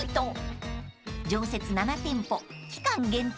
［常設７店舗期間限定